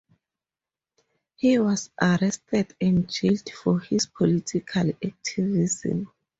He was arrested and jailed for his political activism.